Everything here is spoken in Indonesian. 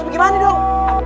terus gimana dong